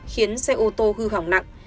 khiến xe ô tô hư hỏng nặng